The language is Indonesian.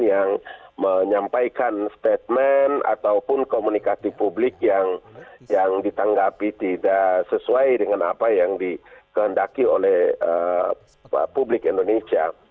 yang menyampaikan statement ataupun komunikasi publik yang ditanggapi tidak sesuai dengan apa yang dikehendaki oleh publik indonesia